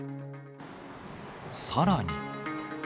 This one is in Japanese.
さらに。